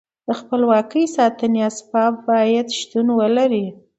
د خپلواکۍ ساتنې اسباب باید شتون ولري.